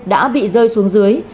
đã bị rơi xuống dưới